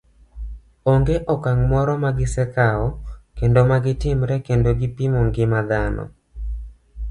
Ong'e okang' moro magi sekawo kendo magi timre kendo gi pimo ngima dhano.